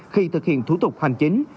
khi thực hiện thủ tục hành chính